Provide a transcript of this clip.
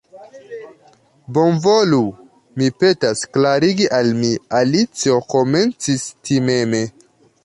"Bonvolu, mi petas, klarigi al mi," Alicio komencis timeme.